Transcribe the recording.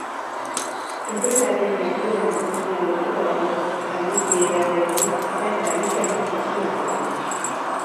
Enpresaren jarduera nagusia lotuta dago Galizierarekin eta Galiziako kulturarekin.